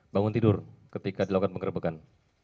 bangun tidur ketika dilakukan penggerbekan